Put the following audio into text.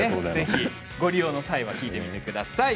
ご利用の際は聞いてみてください。